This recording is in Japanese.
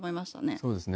そうですね。